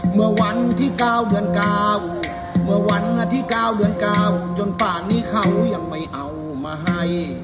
เมื่อวันที่๙เดือน๙เมื่อวันที่๙เดือน๙จนป่านนี้เขายังไม่เอามาให้